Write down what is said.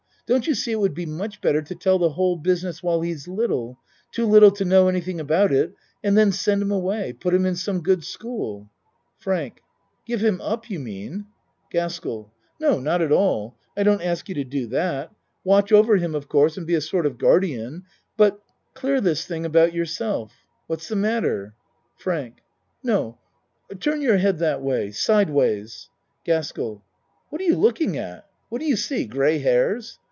Don't you see it would be much better to tell the whole business while he's little too little to know any thing about it and then send him away put him :n some good school? FRANK Give him up, you mean? GASKELL No, not at all. I don't ask you to do that. Watch over him of course and be a sort of guardian but clear this thing about yourself. What's the matter? FRANK No, turn your head that way side ways. GASKELL What are you looking at? What do you see? Gray hairs?